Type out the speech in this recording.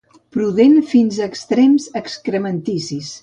Prudent fins a extrems excrementicis.